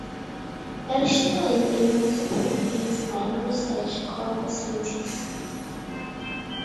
Additionally, the university maintains nine "research core facilities".